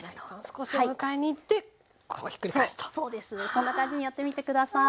そんな感じにやってみて下さい。